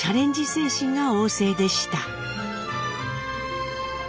精神が旺盛でした。